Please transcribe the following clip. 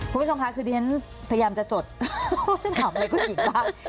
คุณผู้ชมค่ะเดี๋ยวฉันพยายามจะจดว่าฉันถามอะไรกันอีกบ้าง